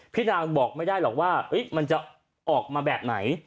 พี่นางบอกไม่ได้หรอกว่ามันจะออกมาแบบไหน